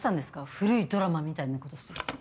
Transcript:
古いドラマみたいなことして。